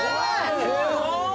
すごい。